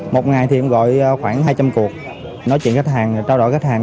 một ngày thì em gọi khoảng hai trăm linh cuộc nói chuyện khách hàng trao đổi khách hàng